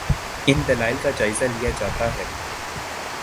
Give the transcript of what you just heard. ان دلائل کا جائزہ لیا جاتا ہے۔